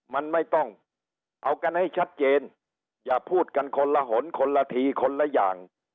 มันไม่ต้องเอากันให้ชัดเจนอย่าพูดกันคนละหนคนละทีคนละอย่าง